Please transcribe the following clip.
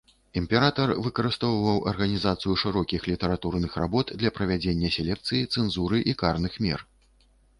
Імператар выкарыстоўваў арганізацыю шырокіх літаратурных работ для правядзення селекцыі, цэнзуры і карных мер.